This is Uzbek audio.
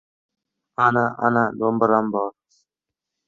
Ana, ana, do‘mbiram bor.